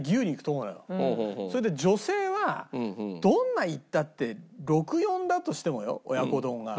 それで女性はどんなにいったって６：４だとしてもよ親子丼が。